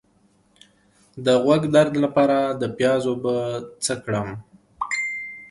د غوږ درد لپاره د پیاز اوبه څه کړم؟